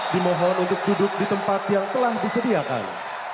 dimohon untuk duduk di tempat yang telah disediakan